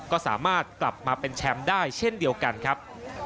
ก็สามารถกลับมาเป็นแชมป์ได้เช่นเดียวกันครับ